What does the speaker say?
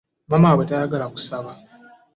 Maama waabwe tayagala kusaba.